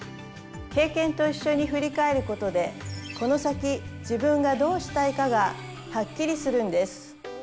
経験と一緒に振り返ることでこの先自分がどうしたいかがはっきりするんです。